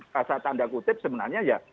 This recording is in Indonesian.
kata tanda kutip sebenarnya ya